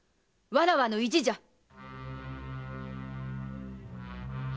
わらわの意地じゃ！